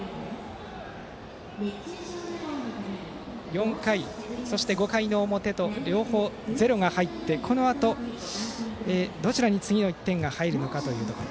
４回、そして５回の表と両方ゼロが入ってこのあと、どちらに次の１点が入るのかというところ。